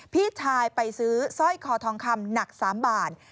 พี่ชายไปซื้อสร้อยคอทองคำหนัก๓บาท